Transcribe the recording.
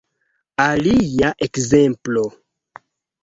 Alia ekzemplo